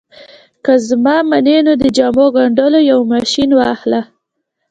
که زما منې نو د جامو ګنډلو یو ماشين واخله